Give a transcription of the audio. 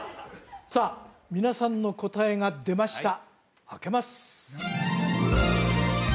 さあ皆さんの答えが出ました